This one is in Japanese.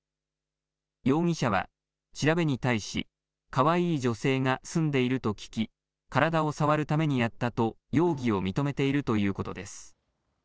容疑者は調べに対しかわいい女性が住んでいると聞き体を触るためにやったと容疑を認めているということです。